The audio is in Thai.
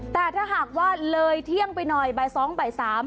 แต่ถ้าหากว่าเลยเที่ยงไปหน่อยบ่าย๒บ่าย๓